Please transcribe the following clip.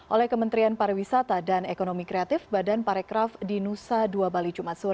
oleh kementerian pariwisata dan ekonomi kreatif badan parekraf di nusa dua bali jumat sore